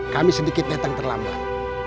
kami sedikit datang terlambat